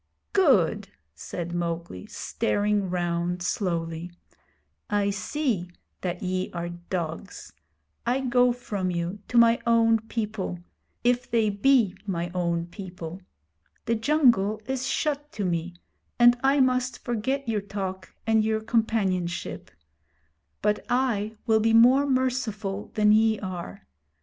'Good!' said Mowgli, staring round slowly. 'I see that ye are dogs. I go from you to my own people if they be ray own people. The jungle is shut to me, and I must forget your talk and your companionship; but I will be more merciful than ye are.